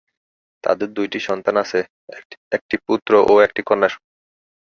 তাদের দুইটি সন্তান আছে, একটি পুত্র ও একটি কন্যা।